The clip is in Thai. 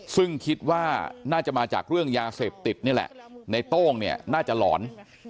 ซึ่งคิดว่าน่าจะมาจากเรื่องยาเสพติดนี่แหละในโต้งเนี่ยน่าจะหลอน